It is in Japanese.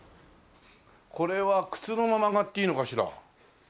これは靴のまま上がっていいのかしら？